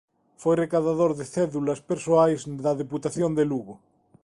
Foi recadador de cédulas persoais da Deputación de Lugo.